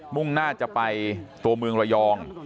มุ่งหน้าจะไปตัวเมืองระยอง